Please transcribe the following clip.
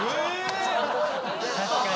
確かに。